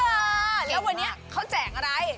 แล้ววันนี้เขาแจกอะไร